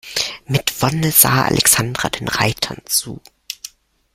Mit Wonne sah Alexandra den Reitern zu.